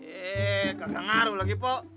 eh gak ngaruh lagi po